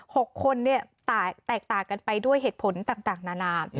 ๖คนเนี่ยแตกต่างกันไปด้วยเหตุผลต่างต่างนานา